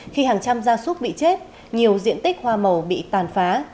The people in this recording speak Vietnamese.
khi hàng trăm gia súc bị chết nhiều diện tích hoa màu bị tàn phá